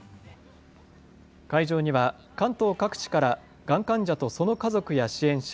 会場には関東各地からがん患者とその家族や支援者